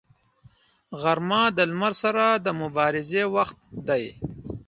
غرمه د لمر سره د مبارزې وخت دی